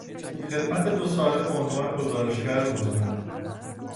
خدمت دو ساله به عنوان گزارشگر روزنامه